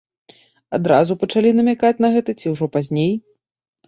Адразу пачалі намякаць на гэта ці ўжо пазней?